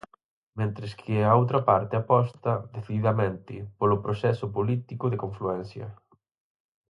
Mentres que a outra parte aposta, decididamente, polo proceso político de confluencia.